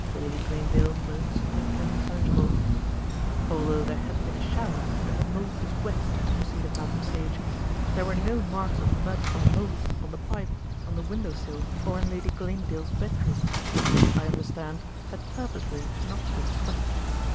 Lady Glanedale moaned something unintelligible. "Although there had been a shower and the mould was wet," proceeded Malcolm Sage, "there were no marks of mud or mould on the pipe, on the window sill, or in Lady Glanedale's bedroom, which, I understand, had purposely not been swept.